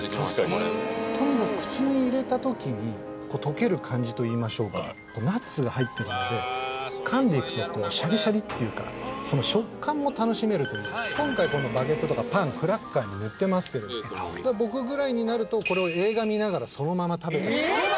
これとにかく口に入れた時に溶ける感じと言いましょうかナッツが入っているのでかんでいくとシャリシャリっていうかその食感も楽しめるという今回バケットとかパンクラッカーに塗ってますけど僕ぐらいになるとこれをそのまんまいくんすか？